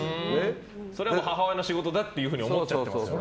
それを母親の仕事だと思っちゃってましたから。